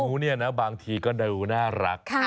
เนี่ยนะบางทีก็ดูน่ารัก